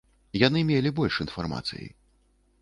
Яны мелі больш інфармацыі.